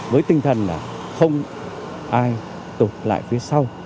với tinh thần là không ai tụt lại phía sau